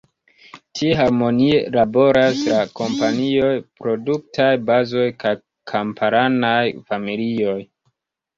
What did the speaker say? Tie harmonie laboras la kompanioj, produktaj bazoj kaj kamparanaj familioj.